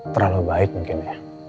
terlalu baik mungkin ya